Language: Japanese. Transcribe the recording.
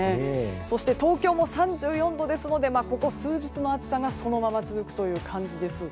そして、東京も３４度ですのでここ数日の暑さがそのまま続くという感じです。